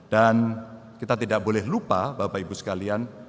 dan kita tidak boleh lupa bapak ibu sekalian